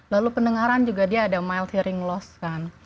lalu pendengaran juga dia ada mild hearing loss kan